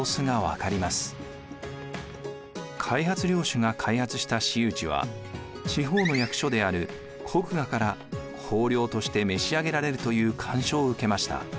開発領主が開発した私有地は地方の役所である国衙から公領として召し上げられるという干渉を受けました。